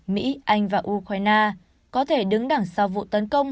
mỹ anh và ukraine có thể đứng đằng sau vụ tấn công